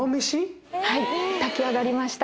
炊き上がりました？